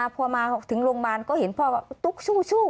พอมาถึงโรงพยาบาลก็เห็นพ่อว่าตุ๊กสู้